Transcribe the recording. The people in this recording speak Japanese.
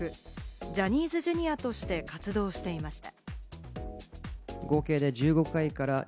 ジャニーズＪｒ．として活動していました。